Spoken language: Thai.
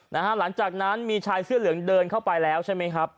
หลังจากนั้นมีชายเสื้อเหลืองเดินเข้าไปแล้วใช่ไหมครับ